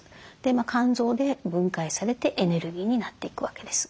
肝臓で分解されてエネルギーになっていくわけです。